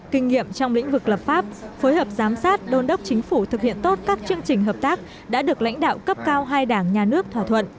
kinh nghiệm trong lĩnh vực lập pháp phối hợp giám sát đôn đốc chính phủ thực hiện tốt các chương trình hợp tác đã được lãnh đạo cấp cao hai đảng nhà nước thỏa thuận